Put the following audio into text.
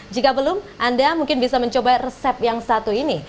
jika belum anda mungkin bisa mencoba resep yang satu ini